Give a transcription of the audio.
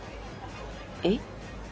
えっ？